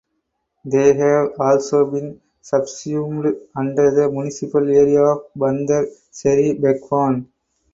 They have also been subsumed under the municipal area of Bandar Seri Begawan.